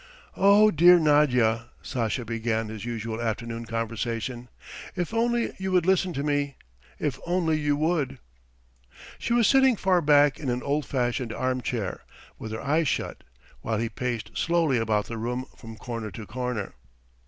"Oh, dear Nadya!" Sasha began his usual afternoon conversation, "if only you would listen to me! If only you would!" She was sitting far back in an old fashioned armchair, with her eyes shut, while he paced slowly about the room from corner to corner.